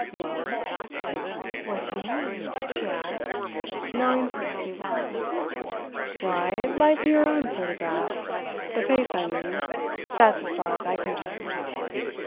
"Well?" "What do you mean?" she asked, knowing perfectly well. "Why, it might be your own photograph—the face, I mean—that's as far as I can judge."